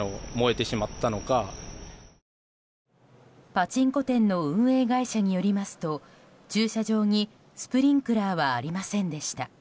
パチンコ店の運営会社によりますと駐車場にスプリンクラーはありませんでした。